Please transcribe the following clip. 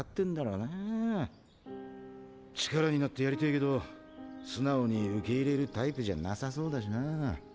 力になってやりてぇけど素直に受け入れるタイプじゃなさそうだしなぁ。